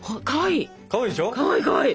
かわいい！